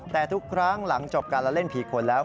แต่ทุกครั้งหลังจบการละเล่นผีขนแล้ว